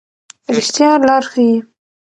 رښتیا لار ښيي.